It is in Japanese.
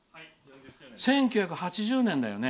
１９８０年だよね。